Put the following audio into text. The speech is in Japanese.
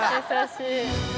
優しい。